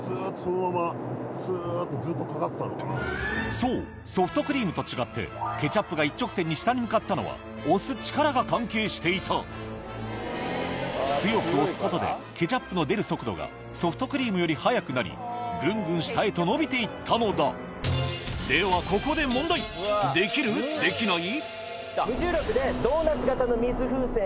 そうソフトクリームと違ってケチャップが一直線に下に向かったのは強く押すことでケチャップの出る速度がソフトクリームより速くなりぐんぐん下へと伸びていったのだではできる？できない？